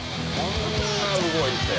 「こんな動いて」